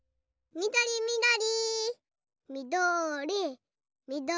みどりみどり。